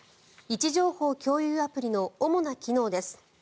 位置情報共有アプリの主な機能です。